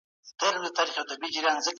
ایا بهرني سوداګر ممیز پروسس کوي؟